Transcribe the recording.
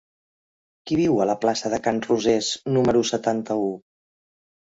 Qui viu a la plaça de Can Rosés número setanta-u?